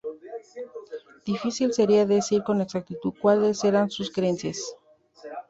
Difícil seria decir con exactitud cuales eran sus creencias.